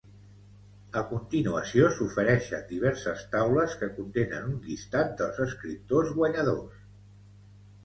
A continuació s'ofereixen diverses taules que contenen un llistat dels escriptors guanyadors.